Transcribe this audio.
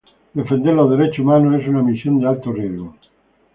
Defender los Derechos Humanos es una misión de alto riesgo.